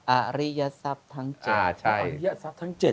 อาริยศัพท์ทั้ง๗